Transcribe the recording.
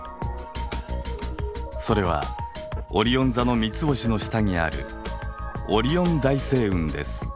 それはオリオン座の３つ星の下にあるオリオン大星雲です。